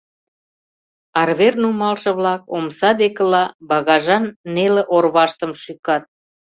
Арвер нумалше-влак омса декыла багажан неле орваштым шӱкат.